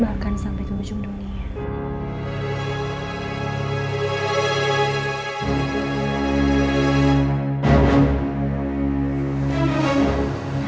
bahkan sampai ke museum dunia